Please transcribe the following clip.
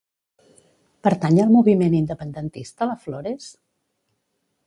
Pertany al moviment independentista la Flores?